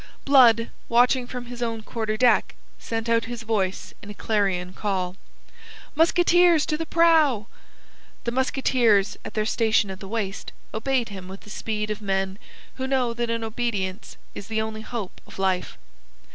Blood, watching from his own quarter deck, sent out his voice in a clarion call: "Musketeers to the prow!" The musketeers, at their station at the waist, obeyed him with the speed of men who know that in obedience is the only hope of life.